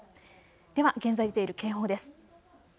では現在、出ている警報です。